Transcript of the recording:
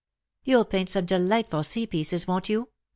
"You'll paint some delightful sea pieces, won't you?"